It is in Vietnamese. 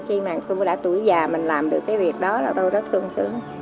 khi mà cô đã tuổi già mình làm được cái việc đó là tôi rất thương sướng